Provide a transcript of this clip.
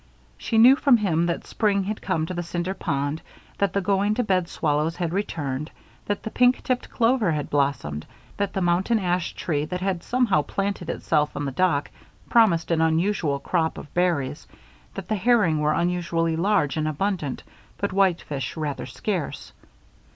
She knew from him that spring had come to the Cinder Pond, that the going to bed swallows had returned, that the pink tipped clover had blossomed, that the mountain ash tree that had somehow planted itself on the dock promised an unusual crop of berries, that the herring were unusually large and abundant but whitefish rather scarce.